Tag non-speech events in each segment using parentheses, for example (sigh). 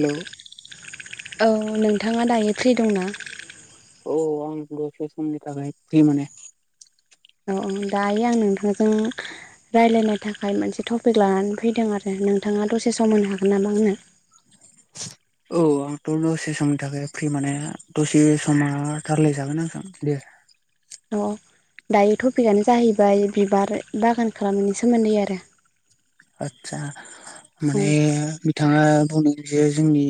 हेल'! औ नोंथाङा दायो फ्रि दंना? औ आं दसे समनि थाखाय फ्रि माने। औ औ दायो आं नोंथांजों रायलायनो थाखाय मोनसे टपिक लानानै फैदों आरो। नोंथाङा दसे सम होनो हागोन नामा आंनो। (unintelligible) औ आंथ' दसे समनि थाखाय फ्रि माने दसे समा गार्लाय जागोन आंजों दे अ दायो टपिकानो जाहैबाय बिबार बागान खालामनायनि सोमोन्दै आरो आतसा औ माने बिथाङा बुंदों जे जोंनि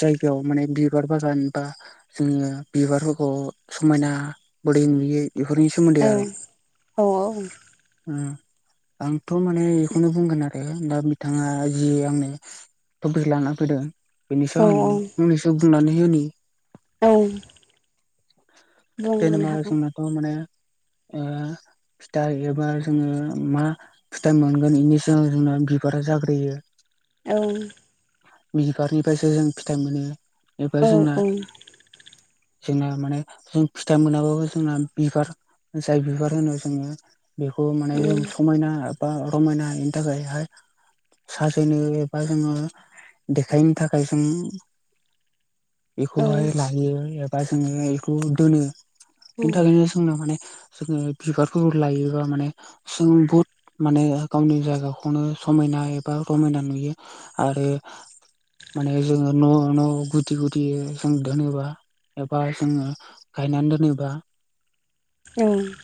जायगायाव माने बिबार बागान बा जोङो बिबारफोरखौ समायना बोरै नुयो बेफोरनि सोमोन्दै औ आरो औ आंथ' माने एखौनो बुंगोन आरो ओ दा बिथाङा जि आंनो टपिक लाना फैदो औ बेनिसाव आं फंनैसो बुंनानै होनि औ बुंबोनो जेनेबा हागोन जोंनाथ माने ओ फिथाइ एबा जोङो मा फिथाइ मोनगोन इनि सिगां जोंना बिबारा जाग्रोयो औ बिबारनिफ्रायसो जों फिथाइ मोनो एबा औ जोंना औ जोंना माने जों फिथाइ मोनाबाबो जोंना बिबार जाय बिबार होनो जोङो बेखौ माने जों समायना बा रमायनानि थाखायहाय साजायनो एबा जोङो देखायनो थाखाय जों (inaudible) एखौहाय लायो एबा जोङो एखौ दोनो बेनि थाखायनो जोंनो माने जोङो बिबारफोरखौ लायोबा माने जों बुहुद माने गावनि जायगाखौनो समाय ना एबा रमायना नुयो आरो माने जोङो न न गुदि गुदि जों दोनोबा एबा जोङो गायनानै दोनोबा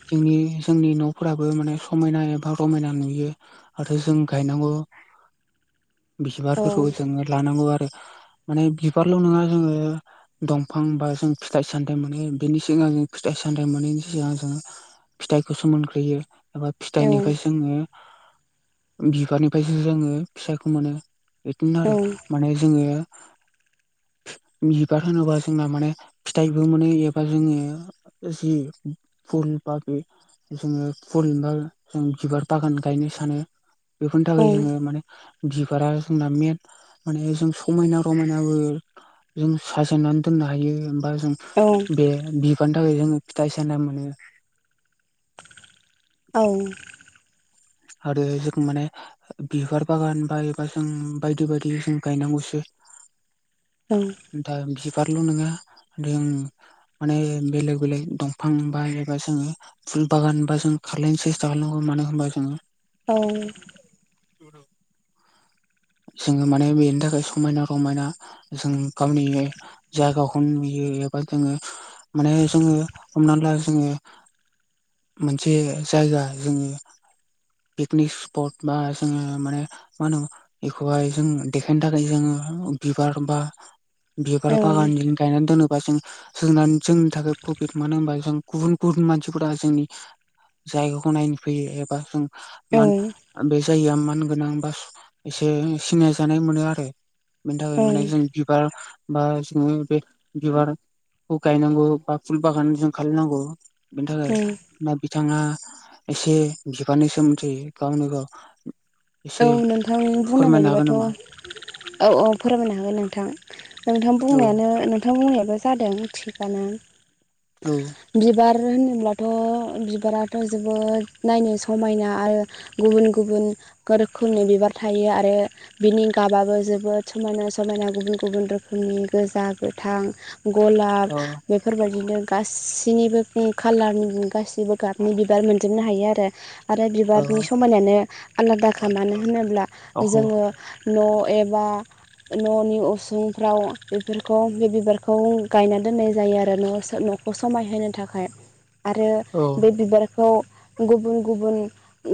जोंनि जोंनि न फोराबो माने समायना एबा रमायना नुयो आरो जों गायनांगौ (inaudible) बिबारफोरखौ जोङो लानांगौ आरो माने बिबारल नङा जोङो दंफां बा जों फिथाइ सामथाय मानो बेनि सिगां फिथाइ सामथाइ मोनैनि सिगां जों फिथाइखौ सो मोनग्रोयो एबा फिथाइनिफ्राय जोङो बिबारनिफ्रायसो जोङो फिथाइखौ मोनो बिदिनो आरो माने जोङो बिबार होनोबा जोंना माने फिथाइबो मोनो ए बा जोंङो जि फुल बागै जोङो परिबार जों बिबार बागान गायनो सानो बेफोरनि थाखाय जोङो माने बिबारा जोंना मेद माने जों समायना रमायनाबो जों साजायनानै दोन नों हायो (unintelligible) औ बे बिबारनि थाखाय जोङो फिथाइ सामथाइ मोनो औ आरो जों माने बिबार बागान बायोबा जों बायदि बायदि जों गायनांगौसो (inaudible) दा बिबारल नोङा जों माने बेलेक बेलेग दंफां बा एबा जोङो फुल बागान बा जों खारलायनो सेस्था खालामनांगौ मानो होमबा जों औ जोङो माने बेनि थाखाय समायना रमायना जों गावनि जायगाखौ नुयो एबा जोङो माने जोङो हमनानै ला जोङो मोनसे जायगा जोङो पिकनिक स्पट बा जोङो माने मा होनो इखौहाय जों देखायनो थाखाय जोङो बिबार बा बिबार बागान जों गायनानै दोनोबा जों जोंनानो जोंनि थाखाय प्रफिट मानो होनबा जों गुबुन गुबुन मानसिफोरा जोंनि जायगाखौ नायनो फैयो एबा जों मान ओ बे जायगाया मान गोनां बा एसे सिनाय जानाय मोनो आरो। बेनि थाखाय औ माने जों बिबार बा जोङो बे बिबारखौ गायनांगौ बा फुल बागान जों खालायनांगौ बेनि थाखाय औ दा बिथाङा एसे बिबारनि सोमोन दै गाव नो गाव औ एसे नोंथांनि बुंनाय फोरमायनो बायदिबाथ हागोन नामा औ औ फोरमायनो हागोन नोंथां। नोंथां औ बुंनायानो नोंथां बुंनायाबो जादों थिंगानो औ बिबार बार होनोब्लाथ' बिबाराथ' जोबोद नायनो समायना आरो गुबुन गुबुन रोखोमनि बिबार थायो आरो बिनि गाबाबो जोबोद समायना समायना गुबुन गुबुन रोखोम नि गोजा गोथां गलाब औ बेफोरबायदिनो गासिनिबो ओ कालारनि गासै निबो गाबनि बिबार मोनजोबनो हायो आरो आरो बिबारनि समायानो आलादा खा मानो होनोब्ला औ जोङो न' एबा न'नि उसुंफ्राव बेफोरखौ बे बिबारखौ गायना दोननाय जायो आरो न' सो न' न'खौ समायहोनो थाखाय आरो औ बे बिबारखौ गुबुन गुबुन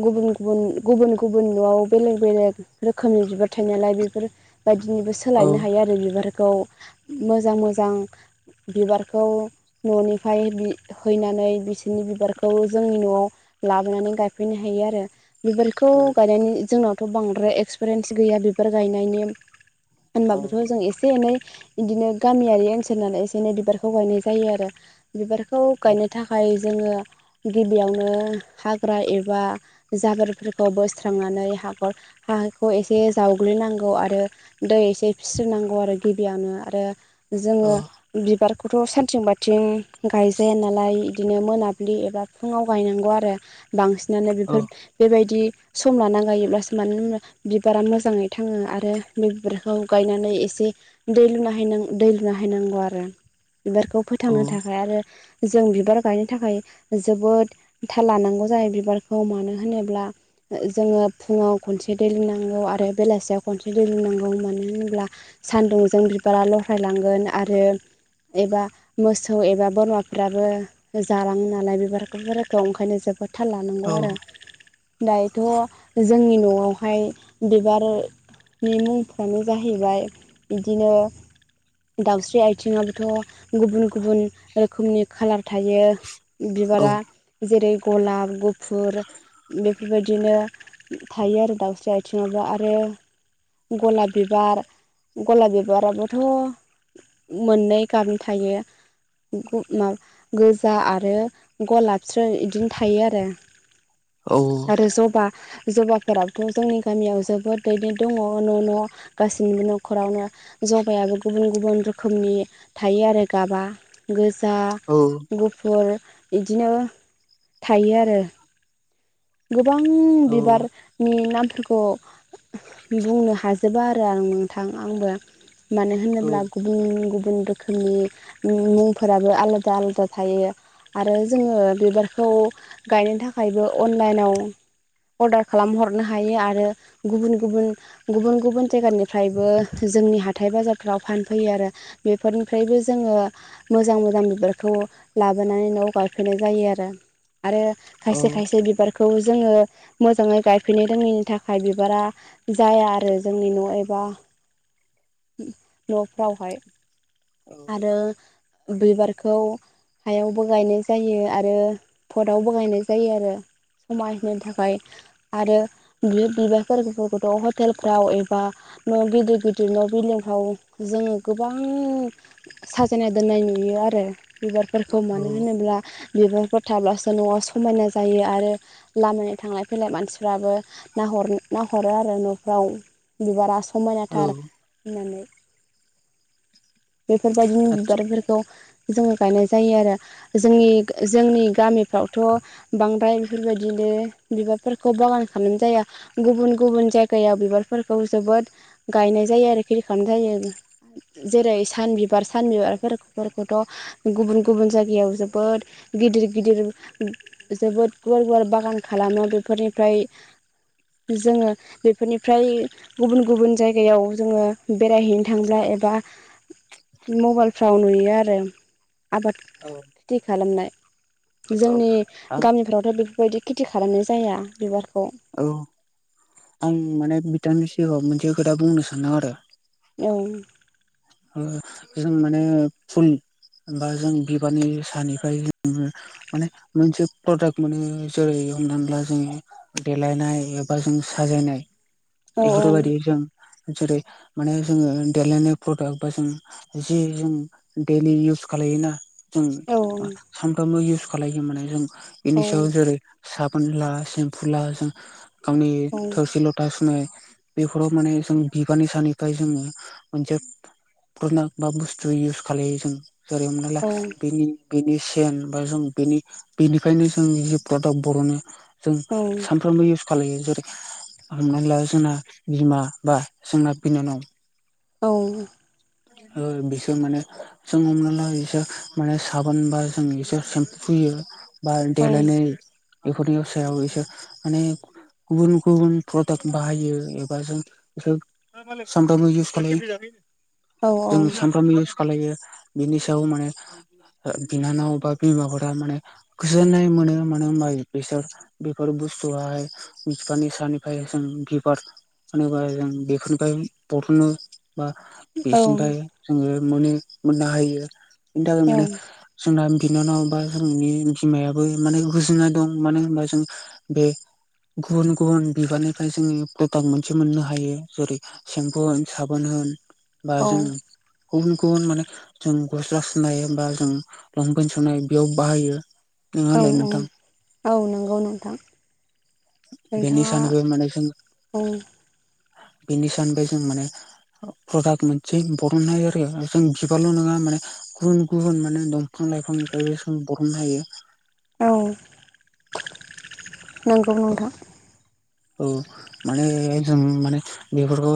गुबुन गुबुन गुबुन गु गुबुन न'आव बेलेग बेलेग रोखोमनि बिबार थायो नालाय बेफोर बायदिनिबो सोलायनो हायो आरो बिबारखौ मोजां मोजां बिबारखौ न'निफ्राय बिहैनानै बिसोरनि बिबारखौ जोंनि न'आव लाबोनानै गायफैनो हायो आरो बिबारखौ औ नि जोंनावथ' बांद्राय एक्सपिरियेन्स गैया बिबार गायनायनि औ होनबाबोथ' जों एसे एनै इदिनो गामियारि ओनसोल नालाय एसे एनै बिबारखौ गायनाय जायो आरो बिबारखौ औ गायनो थाखाय जोङो गिबियावनो हाग्रा एबा जाबोरफोरखौ बोस स्रांनानै हाखर हाखौ एसे जावग्लिनांगौ आरो दै एसे फिस्रोनांगौ आरो गिबियावनो आरो जोङो आं बिबार खौथ' सानथिं बाथिं गायजाया नालाय इदिनो मोनाब्लि एबा फुङाव गायनांगौ आरो बांसिनानो बेफोर बेबायदि सम लाना गायोब्लासो मानो होनब्ला बिबारा मोजाङै थाङो आरो बे बिबारखौ गायनानै एसे दै लुना हैनां दै लुना हैनांगौ आरो बिबारखौ फोथांनो थाखाय आरो जों बिबार गायनो थाखाय जोबोद थाल लानांगौ जायो बिबारखौ मानो होनोब्ला जोङो फुङाव खनसे दै लुनांगौ आरो बेलासियाव खनसे दै लुनांगौ मानो होनब्ला सान्दुंजों बिबारा लरहायलांगोन आरो एबा मोसौ एबा बोरमाफ्राबो जालाङो नालाय बिबारखौबो दं ओंखायनो जोबोद थाल लानांगौ आरो औ दाय जोंनि न'आवहाय बिबार नि मुंफ्रानो जाहैबाय बिदिनो दाउस्रि आथिंाबोथ' गुबुन गुबुन रोखोमनि खालार थायो बिबारा जेरै गलाब गुफुर बेफोरबायद दिनो थायो आरो दाउस्रि आथिङावबो आरो गलाब बिबार गलाब बिबाराबोथ' मोननै गाबनि थायो गु माब गोजा आरो गलाबस्रो बिदिनो थायो आरो आरो जबा जबाफोराबथ' जोंनि गामियाव जोबोद दैदेन दङ न' न' गाैबो न'खरावनो जबायाइाबो गुबुन गुबुन रोखोमनि थायो आरो गाबा गोज दा गुफुर बिदिनो थायो आरो गोबां बिबारनि नाम फिग' बिबुंनो हाजोबा आरो आं नोंथां आंबो मानो होनोब्ला गुबुं गु उन दोखोमनि मुंफोराबो आलादा आलादा थायो आरो जोङो बिबारखौ गायनो थाखायबो अनलाइन अर्डार खालाम हरनो हायो आरो गुबुन गुबुन गुबुन गुबुन जायगानिफ्रायबो जोंनि ह थाइ बाजारफ्राव फानफैयो आरो बेफोरनिफ्रायबो जोङो मोजां मोजां बिबारखौ लाब लाबोनानै नवाव गायफैनाय जायो आरो आरो खायसे बारखौ जोङो मोजाङै गायफैनो रोङैनि थाखाय बिबारा जाया आरो जोंनि न' एबा न'फ्रावहाय आरो बैबारखौ हायावबो गायनाय जायो आरो फटावबो गायनाय जायो आरो। समायहो थाखाय आरो बि बिबारफोरखौथ' हटेलफ्राव एबा न' गिदिर गिदिर न' बिल्दिंफ्राव जोङो गोबां साजायनाय दोननाय नुयो आरो। बिबारफोरखौ मानो होनोब्ला बिबारफोर थाब्लासो न'आ समायना जायो आरो लामानि थांलाय फैलाय मानसिफ्राबो नाहर-नाहरो आरो न'फ्रा आव बिबारा समायनाथार होननानै। बेफोरबायदिनि बिबारफोरखौ जोङो गायनाय जायो आरो। जोंनि जोंनि गामिफ्राव थ' बांद्राय बेफोरबायदिनो बिबारफोरखौ बागान खामना जाया गुबुन गुबुन जायग गाया बिबारफोरखौ जोबोद गायनाय जायो आरो खिरि खामद्रायो जेरै सान बिबार सान बिबारफोरखौथ' गुबुन गुबुन जायगायाव जोबोद गिदिर गिदिर जोबोद गुवार गुवार बागान खालामो बेफोरनिफ्राय जोङो बेफोरनिफ्राय गुबुन गुबुन जायगायाव जोङो बेरायहैनो थांब्ला एबा मबाइलफ्राव नुयो आरो। आबाद थि खालामनाय। जोंनि गामिफ्रावथ' बेफोरबायदि खेथि खालामनाय जाया बिबार औ आं माने बिथांनि सिगाङाव मोनसे खोथा बुंनो सानदों आरो। ओं। जों माने फुल होबा जों बिबारनि सानिफ्राय माने मोनसे प्रदाक्ट मोनो जोरै होननो थांब्ला जों देलायनाय एबा जों साजायनाय औ बेफोरबायदि जों जेरै माने जोङो देलायनाय प्रडाक्ट बा जों जे जों देलि इउस खालायोना जों औ सानफ्रामबो इउस खालायो माने जों बेनि औ सायाव जेरै साबोन ला सिम फुला जों गावनि औ थोरसि ल'था समनाय बेफोराव माने जों बिबारनि सानिफ्राय जोङो मोनजेफ प्रनाक्ट बा बुस्थु इउस खालामलायो जों जेरै हमनाला औ बेनि बेनि सेन बा जों बेनि बेनिफायनो जों जि प्रडाक्ट बर'नो जों सानफ्रामबो इउस खालायो जेरै हमनानैला जोंना बिमा बा जोंना बिनानाव औ। ओ बिसोर माने जों हमनो ला बिसोर माने साबोन बा जों बिसोर सेम्पु पुयि इयो बा देलायनाय बेफोरनि सायाव इसोर माने गुबुन गुबुन प्रडाक्ट बाहायो एबा जोख सामथामबो इउस खालायो जों सानफ्राम इउस खालायो बिनि सायाव माने हो बिनानाव बा बिमाफोरा माने गोजोननाय मोनो मानो होमबा बिसार बेफोर बुस्थुआय बिसफानि सानिफ्राय जों गबार मानोबा जों बेफोनफाय बथोनो बा बिसिनिफ्राय जोंङो मोनो मोननो हायो बेनि थाखाय माने जोंना बिनानाव बा जोंनि बिमायाबो माने गोजोननाय दं मानो होनबा जों बे गुबुन गुबुन बिबारनिफ्राय जोंङो प्रडाक्ट मोनसे मोननो हायो जेरै सेम्पु साबोन बा औ जों गुबुन गुबुन माने जों गस्ला सुनाय बा जों लंपेन सुनाय बेयाव बाहायो नङा होनलाय नोंथां औ-औ-औ नंगौ नोंथां दां बेनिसानैबो माने औ बेनि सानिफाय जों माने प्रडाट मोनसे बरननाय आरो जों बिबारल नंङा माने गुबुन गुबुन माने दंफां लाइफांनिफ्राय जों बरननो हायो औ नोंगौ नोंथां औ माने जों माने बेफोरखौ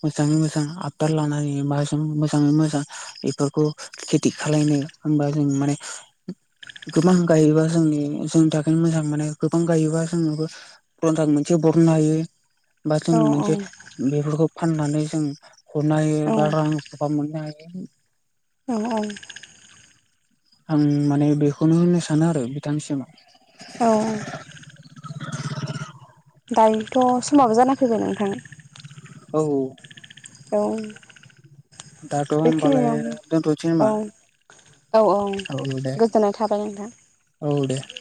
मोजांङै मोजां आथार लाना माजों मोजांङै मोजां बेफोरखौ खेथि खालायनो होनबा जों माने गोबां गायोबा जोंनि जोंनि थाखायनो मोजां मोने गोबां गायोबा जोंनोबो प्रदाक मोनसे बरननो हायो बा जों औ मोनसे बेफोरखौ फाननानै जों हरनो हायो औ बा रां रुफा मोननो हायो औ आं माने बेखौनो होननो सानो आरो बिथांनिसिम औ (unintelligible) दायोथ' समाबो जाना फैबाय नोंथां औ औ दाथ' होमबालाय बेखिनियावनो दोनथनोसै नामा? औ औ औ गोजोननाय थाबाय औ दे नोंथां